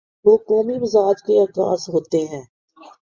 وہ قومی مزاج کے عکاس ہوتے ہیں۔